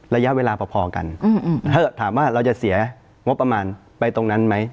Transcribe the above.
ระยะเวลาพอกันถ้าถามว่าเราจะเสียงบประมาณไปตรงนั้นไหม